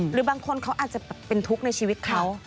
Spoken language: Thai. หรือบางคนเขาอาจจะเป็นทุกข์ในชีวิตเขา